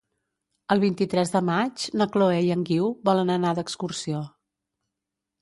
El vint-i-tres de maig na Chloé i en Guiu volen anar d'excursió.